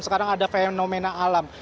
sekarang ada fenomena alam